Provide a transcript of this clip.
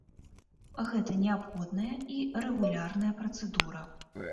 Гэта неабходная і рэгулярная працэдура.